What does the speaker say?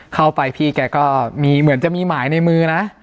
เข้าไปพี่แกก็มีเหมือนจะมีหมายในมือนะ